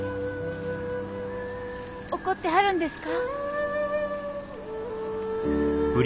怒ってはるんですか？